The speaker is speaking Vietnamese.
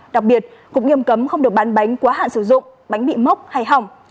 đặc biệt cục nghiêm cấm không được bán bánh quá hạn sử dụng bánh bị mốc hay hỏng